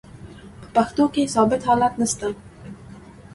په پښتو کښي ثابت حالت نسته.